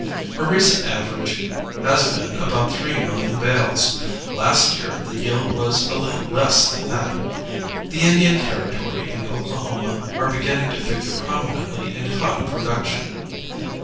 Her recent average has been about three million bales; last year the yield was a little less than that. The Indian Territory and Oklahoma are beginning to figure prominently in cotton production.